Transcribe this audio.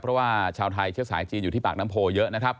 เพราะว่าชาวไทยเชื้อสายจีนอยู่ที่ปากน้ำโพเยอะนะครับ